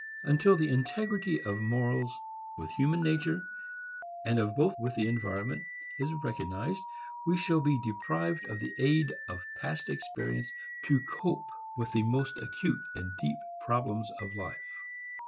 Until the integrity of morals with human nature and of both with the environment is recognized, we shall be deprived of the aid of past experience to cope with the most acute and deep problems of life.